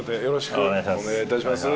お願いします。